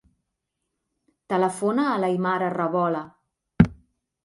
Telefona a l'Aimar Arrebola.